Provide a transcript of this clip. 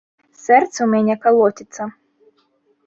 Сэрца ў мяне калоціцца.